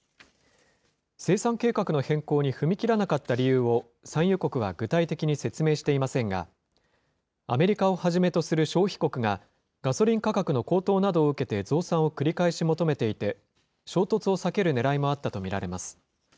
生産計画の変更に踏み切らなかった理由を産油国は具体的に説明していませんが、アメリカをはじめとする消費国が、ガソリン価格の高騰などを受けて増産を繰り返し求めていて、衝突を避けるねらいもあったと見られます。